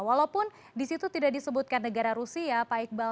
walaupun di situ tidak disebutkan negara rusia pak iqbal